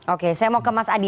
oke saya mau ke mas adi